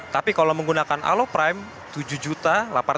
tapi kalau menggunakan aloprime tujuh juta delapan ratus tiga puluh sembilan